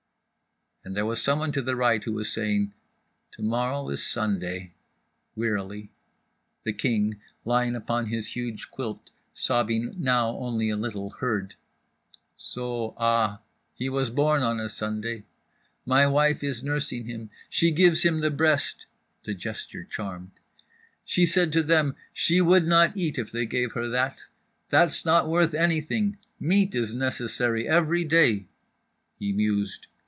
And there was someone to the right who was saying: "To morrow is Sunday" … wearily. The King, lying upon his huge quilt, sobbing now only a little, heard: "So—ah—he was born on a Sunday—my wife is nursing him, she gives him the breast" (the gesture charmed) "she said to them she would not eat if they gave her that—that's not worth anything—meat is necessary every day …" he mused.